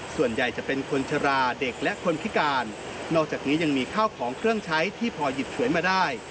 ส่วนใหญ่จะเป็นคนชราเด็กและคนพิการนอกจากนี้ยังมีข้าวของเครื่องใช้ที่พอหยิบสวยมาได้